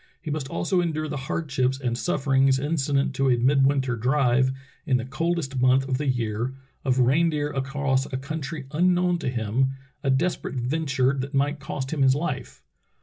He must also endure the hardships and sufferings in cident to a midwinter drive, in the coldest month of the year, of reindeer across a country unknown to him — a desperate venture that might cost him his life.